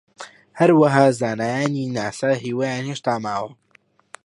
هەروەها زانایانی ناسا هیوایان هێشتا ماوە